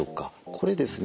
これですね